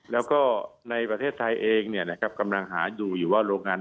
แล้วก็ในประเทศไทยเองกำลังหาอยู่อยู่ว่าโรงงาน